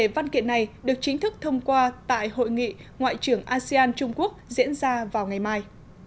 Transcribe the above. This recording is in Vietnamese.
văn kiện này được chính thức thông qua tại hội nghị ngoại trưởng asean trung quốc diễn ra vào ngày mai